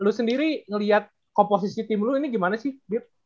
lu sendiri ngeliat komposisi tim lu ini gimana sih bip